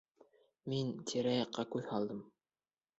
Мин тирә-яҡҡа күҙ һалдым.